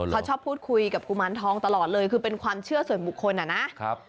เขาชอบพูดคุยกับกุมารทองตลอดเลยคือเป็นความเชื่อส่วนบุคคลนะครับ